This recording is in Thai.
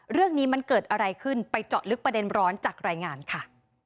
เรื่องนี้มันเกิดอะไรขึ้นไปเจาะลึกประเด็นร้อนจากรายงานค่ะ